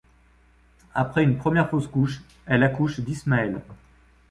Après une première fausse couche, elle accouche d'Ismaël.